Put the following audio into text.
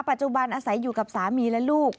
ปัจจุบันอาศัยอยู่กับสามีและลูก